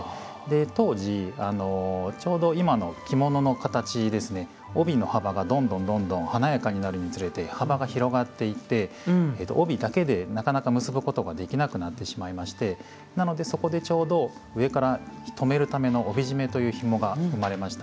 当時ちょうど今の着物の形ですね帯の幅がどんどんどんどん華やかになるにつれて幅が広がっていって帯だけでなかなか結ぶことができなくなってしまいましてなのでそこでちょうど上から留めるための帯締めというひもが生まれました。